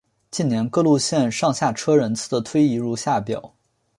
近年各路线上下车人次的推移如下表。